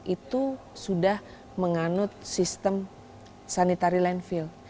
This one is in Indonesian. itu sudah menganut sistem sanitari lainnya